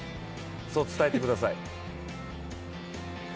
そう伝えてください。